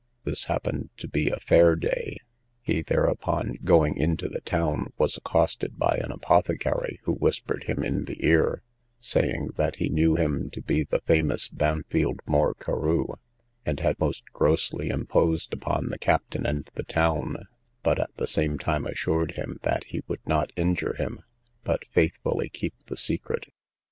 This happened to be a fair day; he thereupon, going into the town, was accosted by an apothecary, who whispered him in the ear, saying, that he knew him to be the famous Bampfylde Moore Carew, and had most grossly imposed upon the captain and the town, but at the same time assured him that he would not injure him, but faithfully keep the secret.